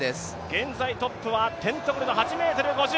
現在トップはテントグルの８ｍ５０。